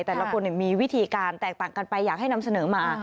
แต่ละคนมีวิธีการแตกต่างกันไปอยากให้นำเสนอมา